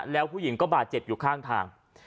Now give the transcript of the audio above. แล้วผู้หญิงก็บาดเจ็บอยู่ข้างทาง